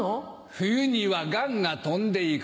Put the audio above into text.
冬にはガンが飛んで行く。